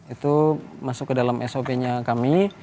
itu masuk ke dalam sop nya kami